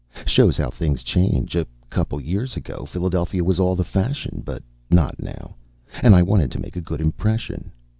Shows how things change. A couple years ago, Philadelphia was all the fashion. But not now, and I wanted to make a good impression.